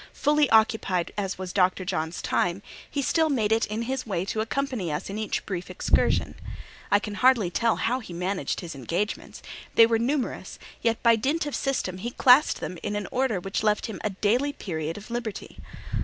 Fully occupied as was Dr. John's time, he still made it in his way to accompany us in each brief excursion. I can hardly tell how he managed his engagements; they were numerous, yet by dint of system, he classed them in an order which left him a daily period of liberty.